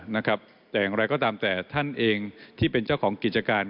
นะครับแต่อย่างไรก็ตามแต่ท่านเองที่เป็นเจ้าของกิจการ